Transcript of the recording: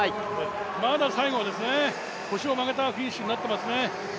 まだ最後、腰を曲げたフィニッシュになっていますね。